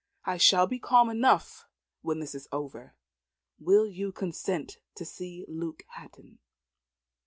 I shall be calm enough when this is over. Will you consent to see Luke Hatton?"